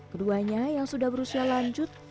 keduanya yang sudah berusia lanjut